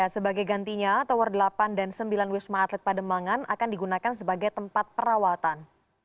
sebagai gantinya tower delapan dan sembilan wisma atlet pademangan akan digunakan sebagai tempat perawatan